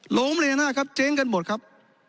หลงเมรินาครับเจ๊งกันหมดครับ